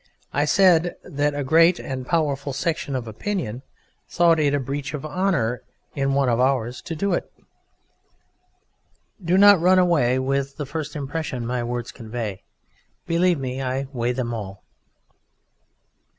I said that a great and powerful section of opinion thought it a breach of honour in one of Ours to do it. Do not run away with the first impression my words convey. Believe me, I weigh them all.